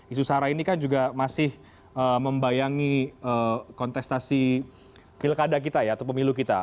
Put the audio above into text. isu sara ini kan juga masih membayangi kontestasi pilkada kita ya atau pemilu kita